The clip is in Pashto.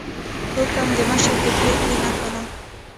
حکم د مشر د پریکړې نښه ده